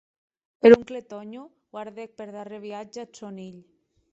Er oncle Tònho guardèc per darrèr viatge ath sòn hilh.